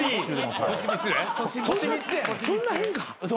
そんな変化？